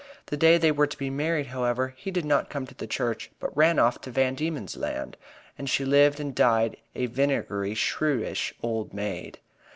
The day they were to be married, however, he did not come to the church, but ran off to Van Diemen's Land, and she lived and died a vinegary, shrewish old maid.